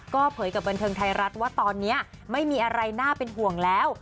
ก็เผยกับบันเทิงไทยรัฐว่าตอนนี้ไม่มีอะไรน่าเป็นห่วงแล้ว